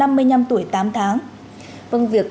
vâng việc tăng tuổi người hưu sẽ có những tác dụng